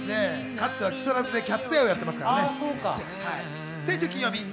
かつては木更津でキャッツアイをやってますからね。